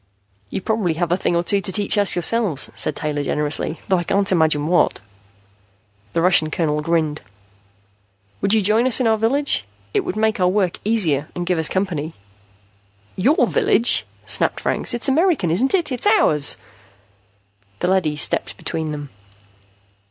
"You probably have a thing or two to teach us yourselves," said Taylor generously, "though I can't imagine what." The Russian colonel grinned. "Would you join us in our village? It would make our work easier and give us company." "Your village?" snapped Franks. "It's American, isn't it? It's ours!" The leady stepped between them.